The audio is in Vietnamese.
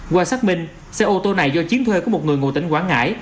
qua xác minh xe ô tô này do chiếm thuê của một người ngụ tỉnh quảng ngãi